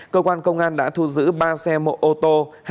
cơ quan công an đã thu giữ ba xe mô ô tô